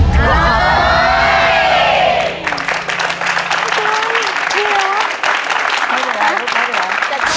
ไม่จังไม่เหรอ